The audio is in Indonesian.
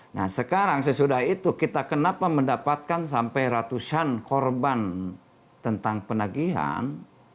nah sekarang sesudah itu kita kenapa mendapatkan sampai ratusan korban tentang penagihan